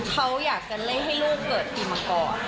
เขาอยากจะเล่ให้ลูกเกิดปีมังกร